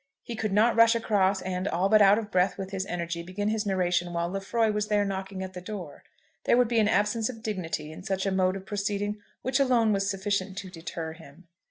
He could not rush across, and, all but out of breath with his energy, begin his narration while Lefroy was there knocking at the door. There would be an absence of dignity in such a mode of proceeding which alone was sufficient to deter him.